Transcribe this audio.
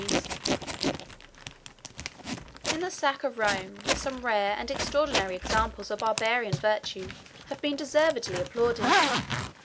] In the sack of Rome, some rare and extraordinary examples of Barbarian virtue have been deservedly applauded.